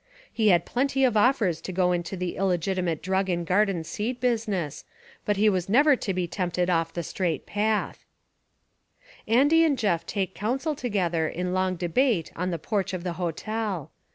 He had plenty of offers to go into the illegitimate 253 Essays and Literary Studies drug and garden seed business, but he was never to be tempted off the straight path." Andy and Jeff take counsel together In long debate on the porch of the hotel.